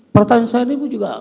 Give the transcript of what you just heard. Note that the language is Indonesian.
pertanyaan saya ini bu juga